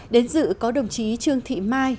đến dự có đồng chí trương thị mai